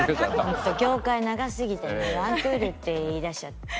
本当業界長すぎてね「１クール」って言いだしちゃった。